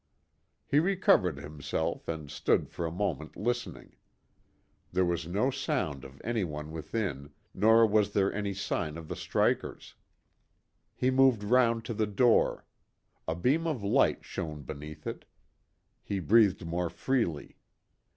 He recovered himself and stood for a moment listening. There was no sound of any one within, nor was there any sign of the strikers. He moved round to the door; a beam of light shone beneath it. He breathed more freely.